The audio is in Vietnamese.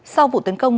sau vụ tấn công